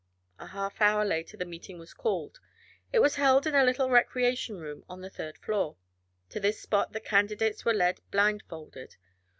A half hour later the meeting was called. It was held in a little recreation room on the third floor. To this spot the candidates were led blindfolded.